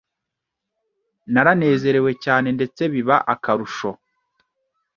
Naranezerewe cyane ndetse biba akarusho